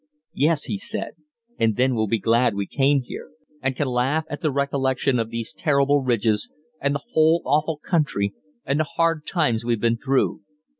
"Yes," he said, "and then we'll be glad we came here, and can laugh at the recollection of these terrible ridges, and the whole awful country, and the hard times we've been through.